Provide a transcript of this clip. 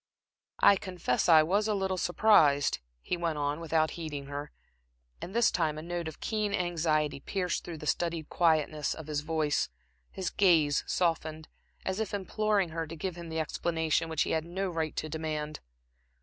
"I confess I was a little surprised," he went on, without heeding her, and this time a note of keen anxiety pierced through the studied quietness of his voice, his gaze softened, as if imploring her to give him the explanation which he had no right to demand.